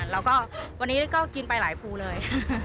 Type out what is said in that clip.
แล้วก็วันนี้ก็กินไปหลายภูเลย